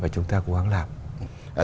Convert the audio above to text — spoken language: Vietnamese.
của anh ta